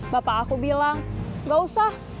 bapak aku bilang gak usah